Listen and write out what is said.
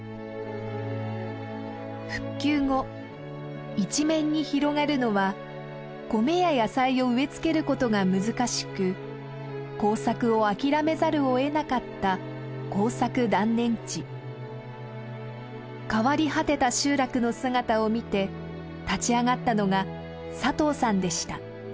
復旧後一面に広がるのは米や野菜を植え付けることが難しく耕作を諦めざるを得なかった変わり果てた集落の姿を見て立ち上がったのが佐藤さんでした。